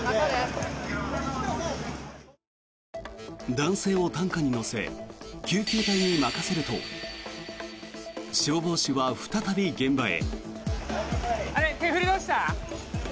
男性を担架に乗せ救急隊に任せると消防士は再び現場へ。